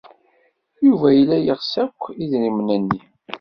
Yuba yella yeɣs akk idrimen-nni.